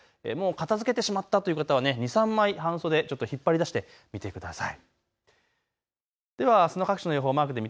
片づけてしまったという方は２、３枚半袖を引っ張り出してみてください。